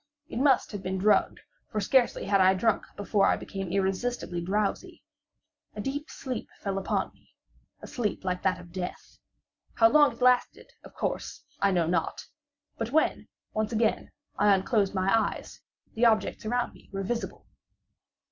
It must have been drugged—for scarcely had I drunk, before I became irresistibly drowsy. A deep sleep fell upon me—a sleep like that of death. How long it lasted of course, I know not; but when, once again, I unclosed my eyes, the objects around me were visible.